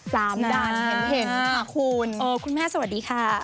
๓ด่านเห็นคุณโอ๊ยคุณแม่สวัสดีค่ะ